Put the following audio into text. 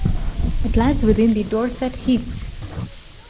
It lies within the Dorset Heaths.